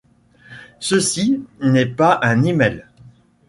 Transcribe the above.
ceci n'est pas un email.